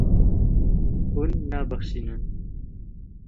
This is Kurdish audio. Hûn nabexşînin.